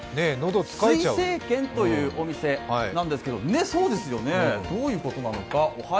彗星軒というお店なんですけどどういうことなのか。